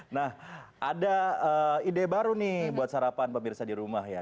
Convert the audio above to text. nah ada ide baru nih buat sarapan pemirsa di rumah ya